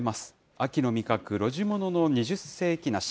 秋の味覚、露地物の二十世紀梨。